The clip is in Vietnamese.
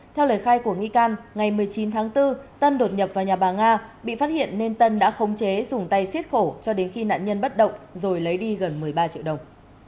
theo lời khai của nghi can ngày một mươi chín tháng bốn tân đột nhập vào nhà bà nga bị phát hiện nên tân đã khống chế dùng tay xiết khổ cho đến khi nạn nhân bất động rồi lấy đi gần một mươi ba triệu đồng